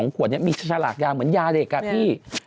ขวดนี้มีฉลากยาเหมือนยาเด็กอะพี่